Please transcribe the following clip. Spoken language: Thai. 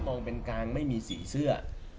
ขอให้มองเป็นกางไม่มีสีเสื้อ